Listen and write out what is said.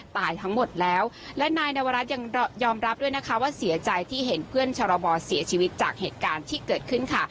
ตายทั้งหมดแล้วและนายนวรัฐยังยอมรับด้วยนะคะว่าเสียใจที่เห็นเพื่อนชรบเสียชีวิตจากเหตุการณ์ที่เกิดขึ้นค่ะ